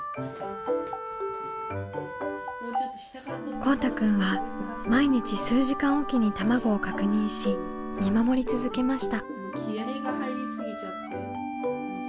こうたくんは毎日数時間おきに卵を確認し見守り続けました。